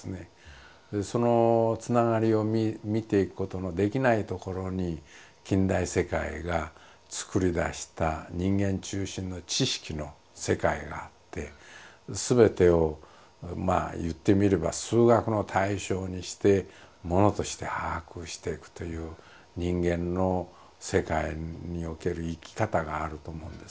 そのつながりを見ていくことのできないところに近代世界がつくり出した人間中心の知識の世界があって全てをまあ言ってみれば数学の対象にして物として把握していくという人間の世界における生き方があると思うんですね。